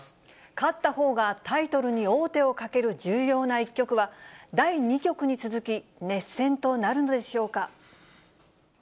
勝ったほうがタイトルに王手をかける重要な一局は、第２局に続き、熱戦となるのでしょうか。